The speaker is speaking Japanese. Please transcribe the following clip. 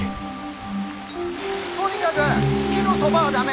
とにかぐ木のそばは駄目。